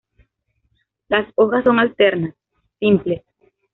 Las hojas son alternas, simples.